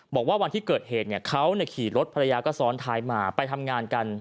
บอกว่าวันที่เกิดเหตุเขาขี่รถภรรยาก็ซ้อนท้ายมาไปทำงานกัน